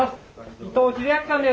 伊藤英明さんです。